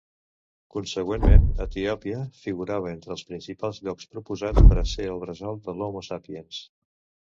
Consegüentment, Etiòpia figurava entre els principals llocs proposats per ser el bressol de l''Homo Sapiens'.